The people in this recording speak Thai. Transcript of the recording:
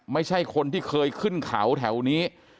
ไม่ใช่คนที่เคยขึ้นเขาแถวนี้